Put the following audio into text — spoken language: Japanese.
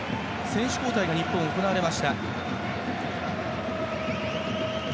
選手交代が日本行われました。